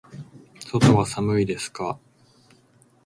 外は寒いですか。